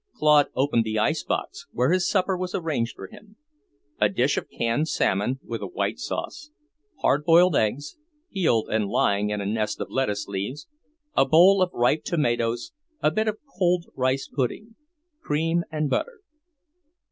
Claude opened the icebox, where his supper was arranged for him; a dish of canned salmon with a white sauce; hardboiled eggs, peeled and lying in a nest of lettuce leaves; a bowl of ripe tomatoes, a bit of cold rice pudding; cream and butter.